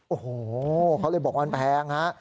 โอ้โหเขาเลยบอกว่ามันแพงฮะ